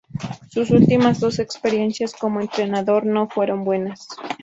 Sus últimas dos experiencias como entrenador no fueron buenas.